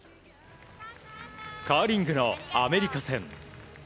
カーリングのアメリカ戦。